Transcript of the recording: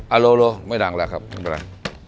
อารมณ์โลไม่ดังแล้วครับไม่เป็นไร